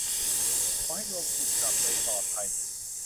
ขอให้รวมกลุ่มกลับโดยปลอดภัย